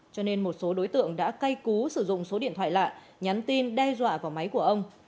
cho nên một số đối tượng đã cay cú sử dụng số điện thoại lạ nhắn tin đe dọa vào máy của ông